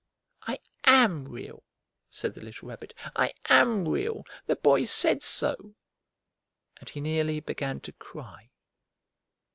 "I am Real!" said the little Rabbit. "I am Real! The Boy said so!" And he nearly began to cry.